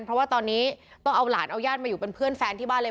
เพราะว่าตอนนี้ต้องเอาหลานเอาญาติมาอยู่เป็นเพื่อนแฟนที่บ้านเลย